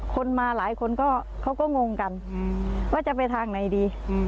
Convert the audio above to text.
คนมาหลายคนก็เขาก็งงกันว่าจะไปทางไหนดี